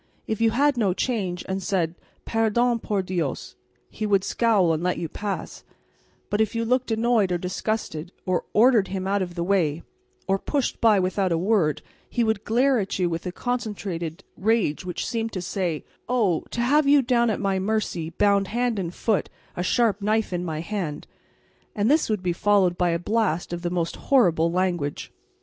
If you had no change and said, "Perdon, por Dios," he would scowl and let you pass; but if you looked annoyed or disgusted, or ordered him out of the way, or pushed by without a word, he would glare at you with a concentrated rage which seemed to say, "Oh, to have you down at my mercy, bound hand and foot, a sharp knife in my hand!" And this would be followed by a blast of the most horrible language.